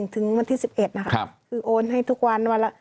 ถึงวันที่๑๑นะคะคือโอนให้ทุกวันวันละ